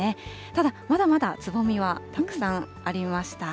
ただ、まだまだつぼみはたくさんありました。